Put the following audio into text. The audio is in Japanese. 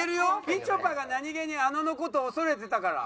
みちょぱが何げにあのの事恐れてたから。